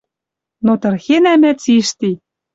Но тырхенӓ мӓ цишти!..